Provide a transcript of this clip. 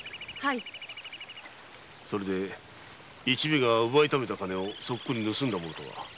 それで一味が奪いためた金をソックリ盗んだ者は？